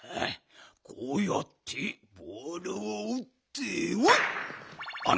こうやってボールをうってほっ！